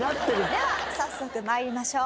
では早速参りましょう。